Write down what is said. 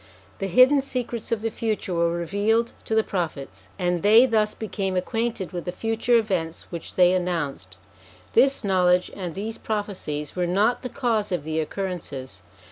The hidden secrets of the future were revealed to the Prophets, and they thus became acquainted with the future events which they announced. This knowledge, and these prophecies, were not the cause of the occur rences.